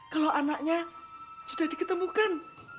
kalau anaknya sudah diketemukan